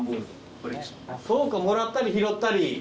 そうかもらったり拾ったり。